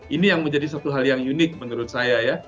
ini yang menjadi suatu hal yang unik menurut saya ya